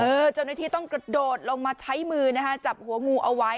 เจ้าหน้าที่ต้องกระโดดลงมาใช้มือนะคะจับหัวงูเอาไว้